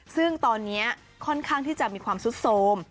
ซึ่งตอนนี้ค่อนข้างที่จะมีความซุดโทรม